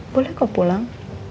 boleh kok pulang